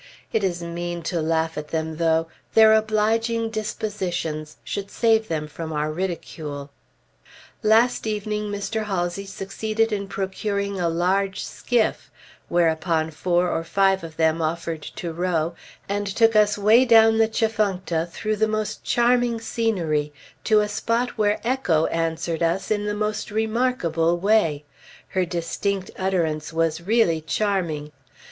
It is mean to laugh at them, though; their obliging dispositions should save them from our ridicule. Last evening Mr. Halsey succeeded in procuring a large skiff, whereupon four or five of them offered to row, and took us 'way down the Tchefuncta through the most charming scenery to a spot where Echo answered us in the most remarkable way; her distinct utterance was really charming.